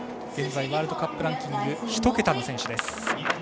現在ワールドカップランキング１桁の選手です。